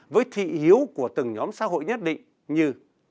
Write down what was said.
với thị hiếu của từng nhóm xã hội nhất định như